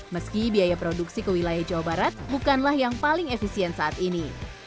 meski biaya produksi ke wilayah jawa barat bukanlah yang paling efisien saat ini